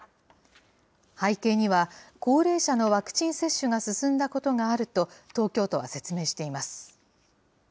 背景には、高齢者のワクチン接種が進んだことがあると、東京都は説明しています。